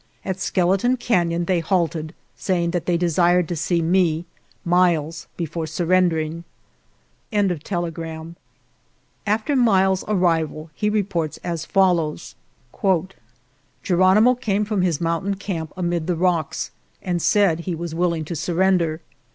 ... At Skeleton Canon they halted, saying that they desired to see me (Miles) before sur rendering." After Miles's arrival he reports as fol lows: " Geronimo came from his mountain camp amid the rocks and said he was willing to surrender.